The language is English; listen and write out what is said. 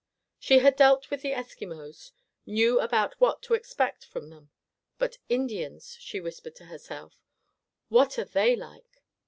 She had dealt with Eskimos; knew about what to expect from them. "But Indians," she whispered to herself, "What are they like?"